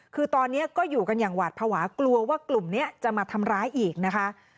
คือตอนนี้ก็อยู่กันอย่างหวาดภาวะกลัวว่ากลุ่มนี้จะมาทำร้ายอีกนะคะ